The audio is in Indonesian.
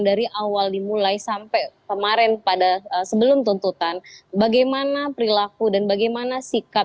dari awal dimulai sampai kemarin pada sebelum tuntutan bagaimana perilaku dan bagaimana sikap